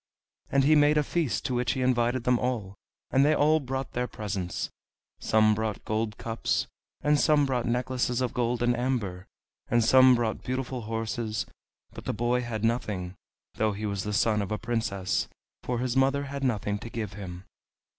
And he made a feast to which he invited them all, and they all brought their presents; some brought gold cups, and some brought necklaces of gold and amber, and some brought beautiful horses; but the boy had nothing, though he was the son of a princess, for his mother had nothing to give him.